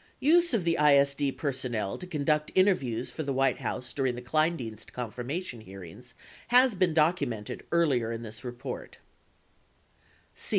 18 Use of the ISD personnel to conduct interviews for the White House during the Kleindienst confirmation hearings has been documented earlier in this report.